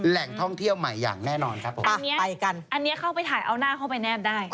แหล่งท่องเที่ยวใหม่อย่างแน่นอนครับผม